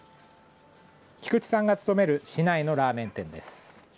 菊地さんが勤める市内のラーメン店です。